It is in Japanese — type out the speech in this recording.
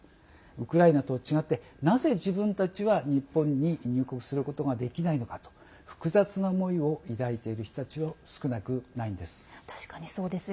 ウクライナと違ってなぜ自分たちは日本に入国することができないのかと複雑な思いを抱いている人たちも少なくないんです。